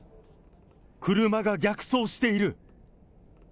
車が逆走している。